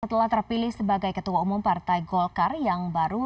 setelah terpilih sebagai ketua umum partai golkar yang baru